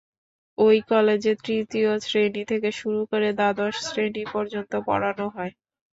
ওই কলেজে তৃতীয় শ্রেণি থেকে শুরু করে দ্বাদশ শ্রেণি পর্যন্ত পড়ানো হয়।